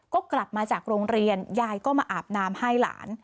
ก็กลับมาจากโรงเรียนยายก็มาอาบน้ำให้หลาน